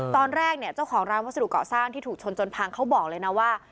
ตอนแรกเนี่ยเจ้าของร้านวัสดุเกาะสร้างที่ถูกชนจนพังเขาบอกเลยนะว่า